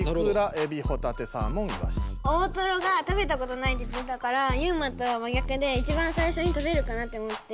大トロが食べたことないって言ってたからユウマとはまぎゃくでいちばん最初に食べるかなって思って。